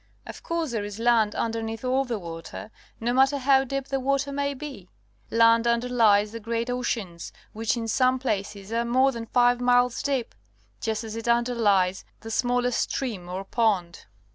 Of course, there is land underneath all the water, no matter how deep the water may be. Land underlies the great oceans, which in some places are more than five miles deep, just as it underlies the smallest stream or pond.